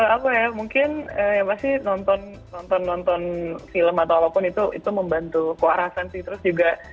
apa ya mungkin yang pasti nonton nonton nonton film atau apapun itu membantu kewarasan sih terus juga